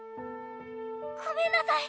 ごめんなさい！